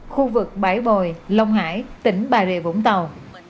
khu vực bãi bồi long hải tỉnh bà rịa vũng tàu